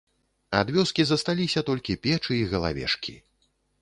Ад вёскі засталіся толькі печы і галавешкі.